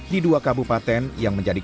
di dua kabupaten yang menjadi